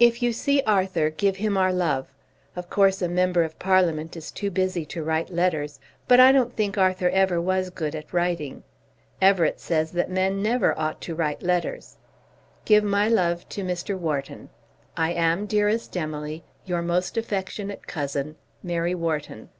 If you see Arthur give him our love. Of course a member of Parliament is too busy to write letters. But I don't think Arthur ever was good at writing. Everett says that men never ought to write letters. Give my love to Mr. Wharton. I am, dearest Emily, Your most affectionate Cousin, MARY WHARTON.